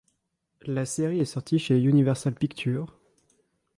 La série est sortie chez Universal Pictures.